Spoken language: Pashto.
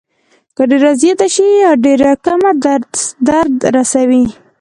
که ډېره زیاته شي یا ډېره کمه درد رسوي.